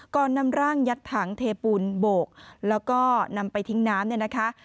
ก่อนนำร่างยัดถังเทปูนโบกแล้วก็นำไปทิ้งน้ำ